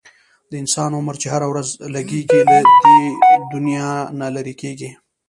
د انسان عمر چې هره ورځ لږیږي، له دنیا نه لیري کیږي